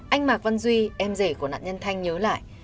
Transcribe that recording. anh mạc văn duy em rể của nạn nhân thanh nhớ lại